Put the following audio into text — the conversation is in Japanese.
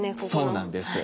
そうなんです。